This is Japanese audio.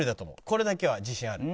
これだけは自信ある。